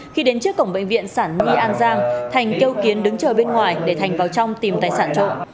khi đến trước cổng bệnh viện sản nhi an giang thành kêu kiến đứng chờ bên ngoài để thành vào trong tìm tài sản trộm